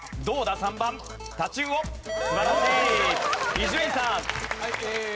伊集院さん。